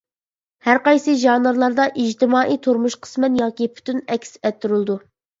ھەرقايسى ژانىرلاردا ئىجتىمائىي تۇرمۇش قىسمەن ياكى پۈتۈن ئەكس ئەتتۈرۈلىدۇ.